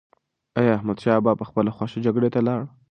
ایا احمدشاه بابا په خپله خوښه جګړې ته لاړ؟